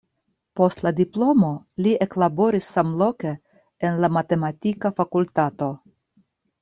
Post la diplomo li eklaboris samloke en la matematika fakultato.